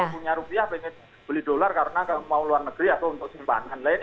punya rupiah pengen beli dolar karena mau luar negeri atau untuk simpanan lain